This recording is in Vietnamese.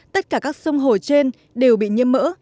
tất cả các sông hồ trên đều bị nhiễm mỡ